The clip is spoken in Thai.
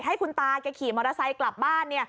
ให้คุณตาแกขี่มอเตอร์ไซค์กลับบ้าน